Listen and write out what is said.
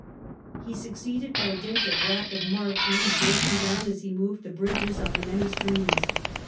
He succeeded by dint of rapid marching, breaking down as he moved the bridges on the many streams.